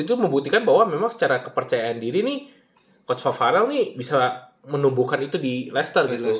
itu membuktikan bahwa memang secara kepercayaan diri nih coach sop viral nih bisa menumbuhkan itu di leicester gitu